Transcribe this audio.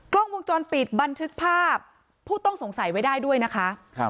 กล้องวงจรปิดบันทึกภาพผู้ต้องสงสัยไว้ได้ด้วยนะคะ